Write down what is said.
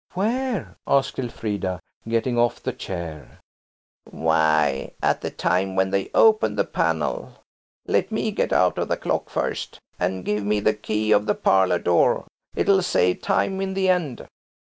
"Where?" asked Elfrida, getting off the chair. "Why, at the time when they open the panel. Let me get out of the clock first. And give me the key of the parlour door. It'll save time in the end."